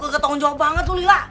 gatau banget lu lila